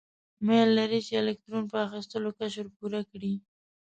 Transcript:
میل لري چې د الکترونو په اخیستلو قشر پوره کړي.